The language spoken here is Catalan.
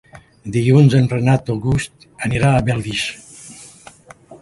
Dilluns en Renat August anirà a Bellvís.